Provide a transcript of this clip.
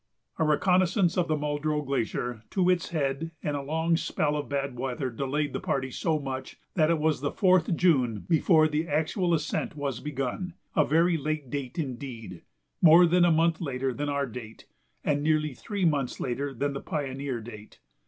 A reconnoissance of the Muldrow Glacier to its head and a long spell of bad weather delayed the party so much that it was the 4th June before the actual ascent was begun a very late date indeed; more than a month later than our date and nearly three months later than the "Pioneer" date.